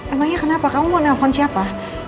emangnya kenapa kamu mau nelfon siapa